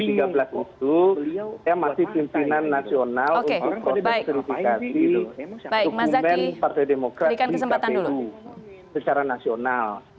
saya masih pimpinan nasional untuk kondisi kritisasi dokumen partai demokrat di tapu secara nasional